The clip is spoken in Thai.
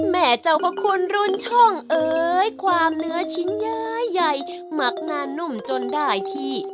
แม่เจ้าพระคุณรุ่นช่องเอ๋ยความเนื้อชิ้นย้ายใหญ่หมักงานนุ่มจนได้ที่